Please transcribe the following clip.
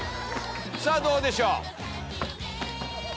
さぁどうでしょう？